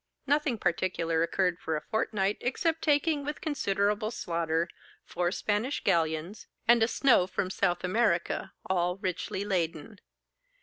Nothing particular occurred for a fortnight, except taking, with considerable slaughter, four Spanish galleons, and a snow from South America, all richly laden.